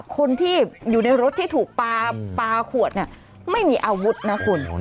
คนที่อยู่ในรถที่ถูกปลาขวดเนี่ยไม่มีอาวุธนะคุณ